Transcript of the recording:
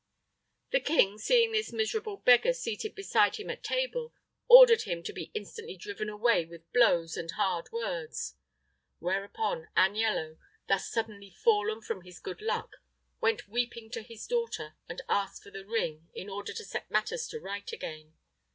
The king, seeing this miserable beggar seated beside him at table, ordered him to be instantly driven away with blows and hard words; whereupon Aniello, thus suddenly fallen from his good luck, went weeping to his daughter, and asked for the ring in order to set matters to rights again.